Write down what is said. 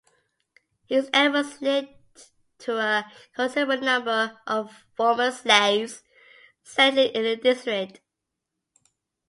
His efforts led to a considerable number of former slaves settling in the District.